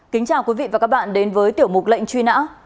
kính chào quý vị và các bạn đến với tiểu mục lệnh truy nã